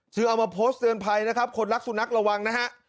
เอามาโพสต์เตือนภัยนะครับคนรักสุนัขระวังนะฮะ